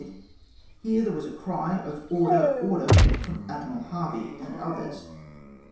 (Here there was a cry of order, order, from Admiral Harvey and others.)